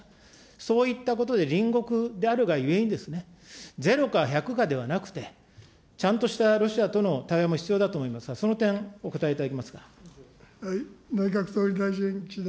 そういったことで、隣国であるがゆえに、０か１００かではなくて、ちゃんとしたロシアとの対話も必要だと思いますが、その点、お答えいただけますか。